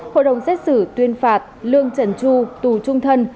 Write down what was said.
hội đồng xét xử tuyên phạt lương trần chu tù trung thân